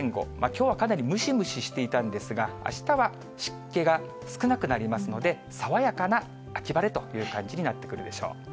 きょうはかなりムシムシしていたんですが、あしたは湿気が少なくなりますので、爽やかな秋晴れという感じになってくるでしょう。